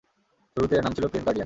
শুরুতে এর নাম ছিল প্রিন্স গার্ডিয়ান।